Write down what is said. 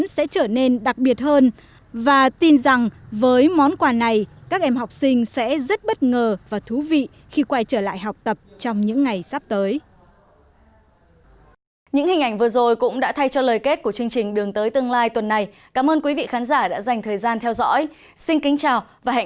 xin chào và hẹn gặp lại trong những chương trình lần sau